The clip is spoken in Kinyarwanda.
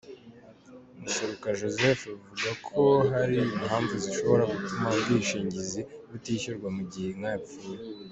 Museruka Joseph avuga ko hari impamvu zishobora gutuma ubwishingizi butishyurwa mu gihe inka yapfuye.